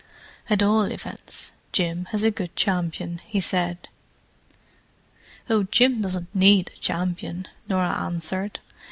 "At all events, Jim has a good champion," he said. "Oh, Jim doesn't need a champion," Norah answered.